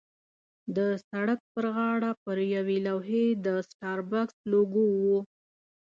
د سړک پر غاړه پر یوې لوحې د سټاربکس لوګو وه.